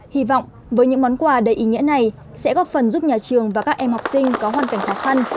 hy vọng với những món quà đầy ý nghĩa này sẽ góp phần giúp nhà trường và các em học sinh có hoàn cảnh khó khăn